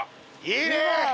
いいね。